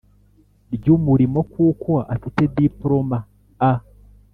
Ry umurimo kuko afite diploma a